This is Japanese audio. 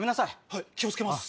はい気を付けます。